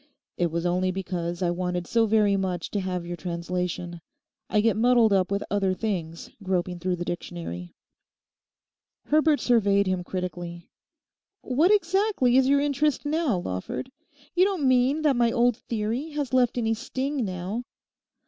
'It was only because I wanted so very much to have your translation. I get muddled up with other things groping through the dictionary.' Herbert surveyed him critically. 'What exactly is your interest now, Lawford? You don't mean that my old "theory" has left any sting now?